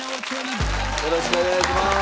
よろしくお願いします。